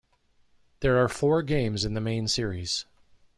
There are four games in the main series.